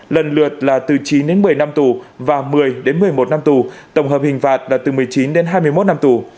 lần lượt là từ chín đến một mươi năm tù và một mươi đến một mươi một năm tù tổng hợp hình phạt là từ một mươi chín đến hai mươi một năm tù